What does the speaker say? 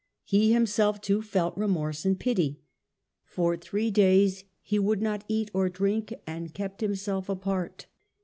He himself, too, felt remorse and pity. For Henry's sub three days he would not eat or drink, and mission. i^gpt himself apart.